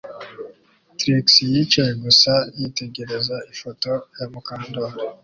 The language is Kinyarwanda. Trix yicaye gusa yitegereza ifoto ya Mukandoli